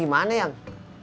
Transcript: besok kita jadi kemakam